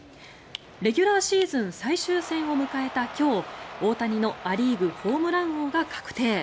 レギュラーシーズン最終戦を迎えた今日大谷のア・リーグホームラン王が確定。